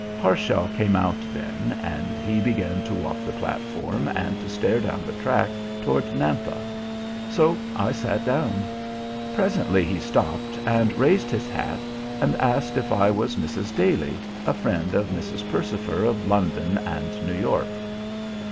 Harshaw came out then, and he began to walk the platform, and to stare down the track toward Nampa; so I sat down. Presently he stopped, and raised his hat, and asked if I was Mrs. Daly, a friend of Mrs. Percifer of London and New York.